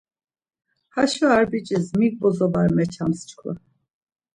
Haşo ar biç̌is mik bozo var meçams çkva.